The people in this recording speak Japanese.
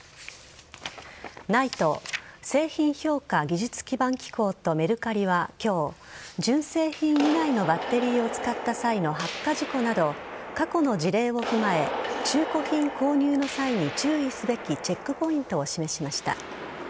ＮＩＴＥ＝製品評価技術基盤機構とメルカリは今日純正品以外のバッテリーを使った際の発火事故など過去の事例を踏まえ中古品購入の際に注意すべきチェックポイントを示しました。